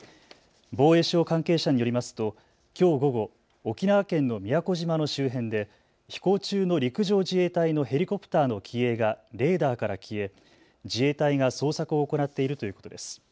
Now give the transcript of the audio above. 防衛省関係者によりますときょう午後、沖縄県の宮古島の周辺で飛行中の陸上自衛隊のヘリコプターの機影がレーダーから消え自衛隊が捜索を行っているということです。